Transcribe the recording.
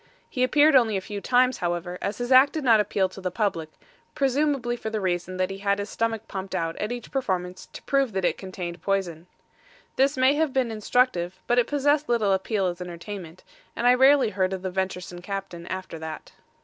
He appeared only a few times, however, as his act did not appeal to the public, presumably for the reason that he had his stomach pumped out at each performance, to prove that it contained the poison. This may have been instructive, but it possessed little appeal as entertainment, and I rarely heard of the venturesome captain after that.